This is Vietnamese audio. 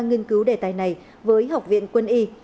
nghiên cứu đề tài này với học viện quân y